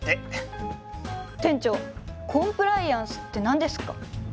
店長「コンプライアンス」って何ですか？